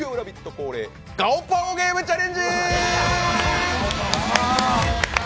恒例「ガオパオゲーム」チャレンジ！